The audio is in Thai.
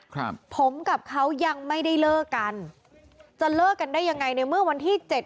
ครับผมกับเขายังไม่ได้เลิกกันจะเลิกกันได้ยังไงในเมื่อวันที่เจ็ด